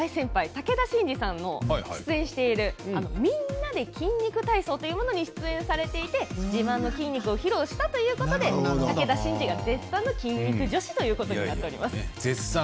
武田真治さんも出演されている「みんなで筋肉体操」というものに出演されていて自慢の筋肉を披露したということで武田真治が絶賛の「筋肉女子」となっています。